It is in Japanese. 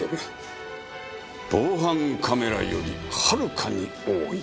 防犯カメラよりはるかに多い。